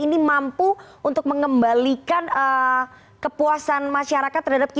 ini mampu untuk mengembalikan kepuasan masyarakat terhadap kita